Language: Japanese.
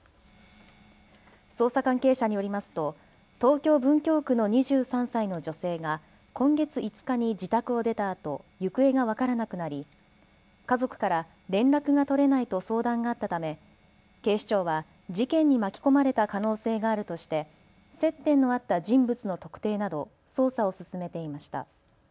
捜査関係者によりますと東京文京区の２３歳の女性が今月５日に自宅を出たあと行方が分からなくなり家族から連絡が取れないと相談があったため警視庁は事件に巻き込まれた可能性があるとして接点のあった人物の特定など捜査を進めていました。